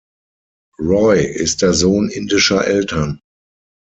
Roy ist der Sohn indischer Eltern.